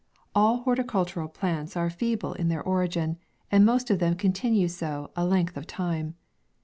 All horticultural plants are feeble in theis £& MAY. origin, and most of them continue so a length of time.